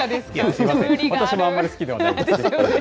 私もあんまり好きではない。